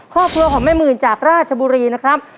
ข้อพลัวของแม่มืนจากราชบุรีนะครับ